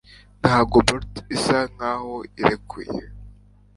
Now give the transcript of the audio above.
ntabwo bolt isa nkaho irekuye